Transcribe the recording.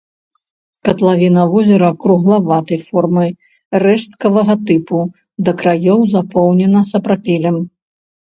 Катлавіна возера круглаватай формы, рэшткавага тыпу, да краёў запоўнена сапрапелем.